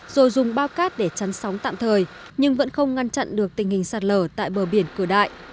rồi dùng bao cát để chắn sóng tạm thời nhưng vẫn không ngăn chặn được tình hình sạt lở tại bờ biển cửa đại